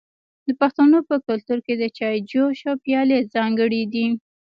د پښتنو په کلتور کې د چای جوش او پیالې ځانګړي دي.